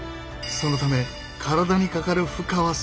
そのため体にかかる負荷は少ない。